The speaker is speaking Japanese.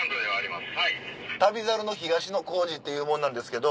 『旅猿』の東野幸治っていう者なんですけど。